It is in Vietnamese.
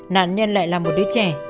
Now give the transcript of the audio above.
nạn nhân lại là một đứa trẻ